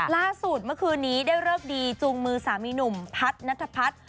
ล่าสุดเมื่อคืนนี้ได้เลิกดีจูงมือสามีหนุ่มพัฒนัทพัฒน์